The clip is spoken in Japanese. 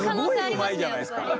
すごいうまいじゃないですか。